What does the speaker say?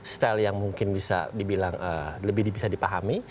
style yang mungkin bisa dibilang lebih bisa dipahami